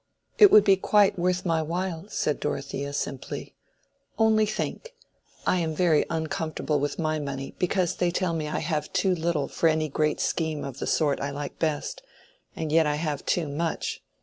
"It would be quite worth my while," said Dorothea, simply. "Only think. I am very uncomfortable with my money, because they tell me I have too little for any great scheme of the sort I like best, and yet I have too much.